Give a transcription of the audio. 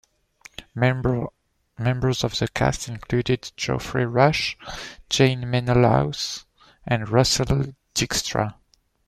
Members of the cast included Geoffrey Rush, Jane Menelaus and Russell Dykstra.